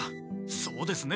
そうですね。